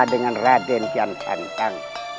dengan raden kian santang